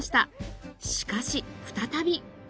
しかし再び。